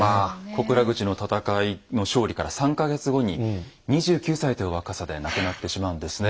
小倉口の戦いの勝利から３か月後に２９歳という若さで亡くなってしまうんですね。